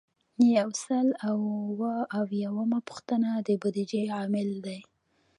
یو سل او اووه اویایمه پوښتنه د بودیجې عامل دی.